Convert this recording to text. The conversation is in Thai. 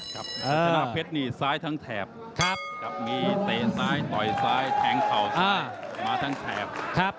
ชนะเพชรนี่ซ้ายทั้งแถบมีเตะซ้ายต่อยซ้ายแทงเข่ามาทั้งแถบ